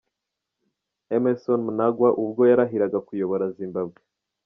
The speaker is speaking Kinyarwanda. Emmerson Mnangagwa ubwo yarahiriraga kuyobora Zimbabwe.